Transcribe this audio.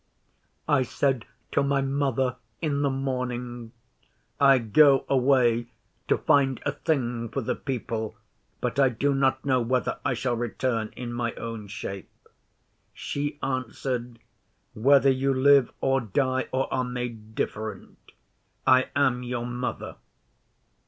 'I said to my Mother in the morning, "I go away to find a thing for the people, but I do not know whether I shall return in my own shape." She answered, "Whether you live or die, or are made different, I am your Mother."